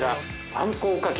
あんこおかき。